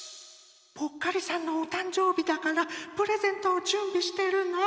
ぽっかりさんのおたんじょうびだからプレゼントをじゅんびしてるの。